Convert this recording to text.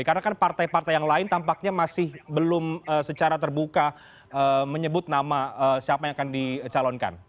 karena kan partai partai yang lain tampaknya masih belum secara terbuka menyebut nama siapa yang akan dicalonkan